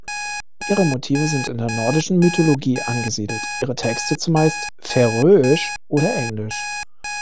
Ihre Motive sind in der nordischen Mythologie angesiedelt, ihre Texte zumeist Färöisch oder Englisch.